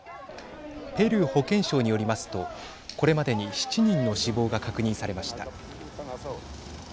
ペルー保健省によりますとこれまでに７人の死亡が確認されました。